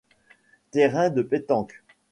Terrain de pétanque.